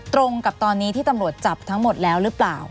ตรงกับตอนนี้ที่ตำรวจจับทั้งหมดแล้วหรือเปล่า